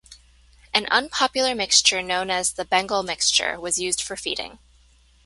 An unpopular mixture known as the "Bengal mixture" was used for feeding.